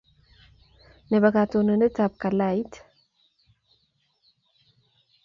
Nebo katabanetab kalait